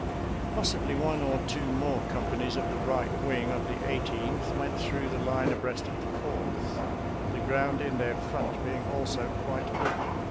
Possibly one or two more companies of the right wing of the Eighteenth went through the line abreast of the Fourth — the ground in their front being also quite open.